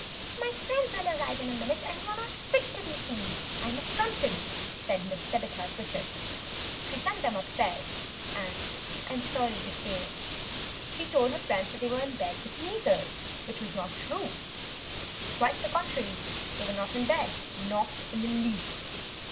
"My friends will arrive in a minute, and you are not fit to be seen; I am affronted," said Mrs. Tabitha Twitchit. She sent them upstairs; and I am sorry to say she told her friends that they were in bed with the measles; which was not true. Quite the contrary; they were not in bed: not in the least.